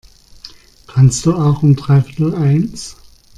Kannst du auch um dreiviertel eins?